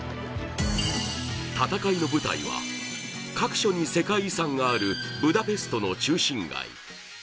戦いの舞台は各所に世界遺産があるブダペストの中心街。